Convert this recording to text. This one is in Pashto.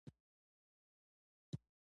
د افغانستان خلک پخواني تمدنونه لري.